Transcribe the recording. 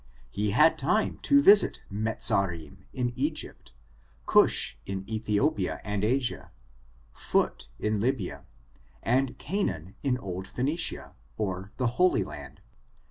He had time to visit Mezarim in Egypt, ' Cush in Ethiopia and Asia, Phut in Lybia, and Co \ naan in old Phoenicia, or the Holy Land.